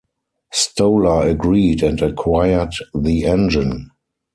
Stolar agreed and acquired the engine.